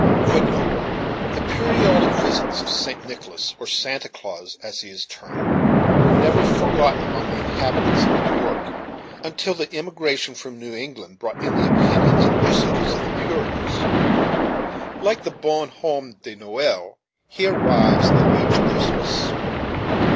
* The periodical visits of St. Nicholas, or Santa Claus, as he is termed, were never forgotten among the inhabitants of New York, until the emigration from New England brought in the opinions and usages of the Puritans, like the "bon homme de Noel." he arrives at each Christmas.